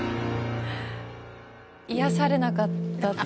癒やされなかった。